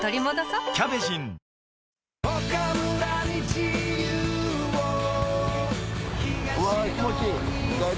うわ気持ちいい！